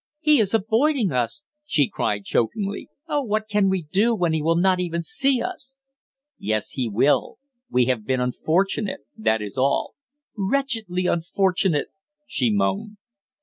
"He is avoiding us!" she cried chokingly. "Oh, what can we do when he will not even see us!" "Yes, he will. We have been unfortunate, that is all." "Wretchedly unfortunate!" she moaned.